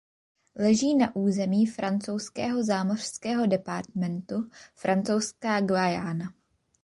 Leží na území francouzského zámořského departementu Francouzská Guyana.